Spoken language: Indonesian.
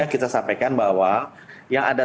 kita sampaikan bahwa yang ada